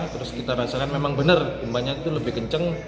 terus kita rasakan memang benar gempanya itu lebih kencang